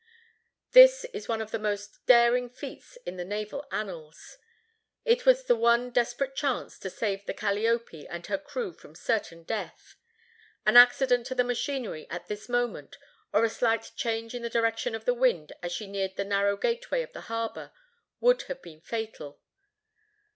This is one of the most daring feats in the naval annals. It was the one desperate chance to save the Calliope and her crew from certain death. An accident to the machinery at this moment, or a slight change in the direction of the wind as she neared the narrow gate way of the harbor, would have been fatal.